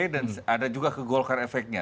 dan ada juga ke golkar efeknya